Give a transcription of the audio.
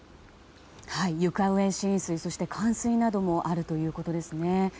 床上浸水、冠水などもあるということですね。